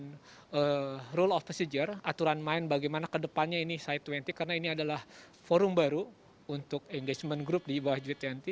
dan rule of procedure aturan main bagaimana kedepannya ini sai dua puluh karena ini adalah forum baru untuk engagement group di bawah g dua puluh